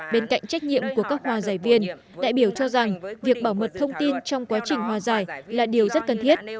bên cạnh trách nhiệm của các hòa giải viên đại biểu cho rằng việc bảo mật thông tin trong quá trình hòa giải là điều rất cần thiết